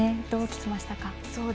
どう聞きましたか？